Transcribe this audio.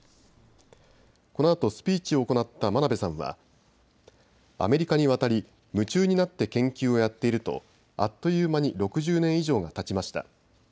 このあとスピーチを行った真鍋さんはアメリカに渡り夢中になって研究をやっているとあっという間に６０年以上がたちました。